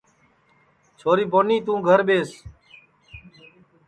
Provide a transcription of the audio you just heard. چھوری بونی توں گھر ٻیس